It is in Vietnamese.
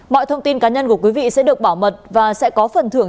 mọi thông tin cá nhân của quý vị sẽ được bảo mật và sẽ có phần thưởng